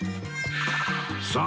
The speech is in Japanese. さあ